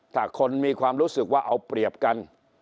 ถ้าคนมีความรู้สึกว่าเอาเปรียบกัน